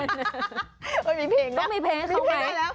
ต้องมีเพลงนะต้องมีเพลงของไหน